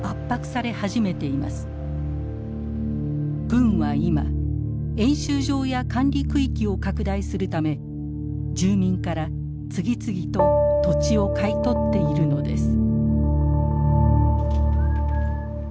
軍は今演習場や管理区域を拡大するため住民から次々と土地を買い取っているのです。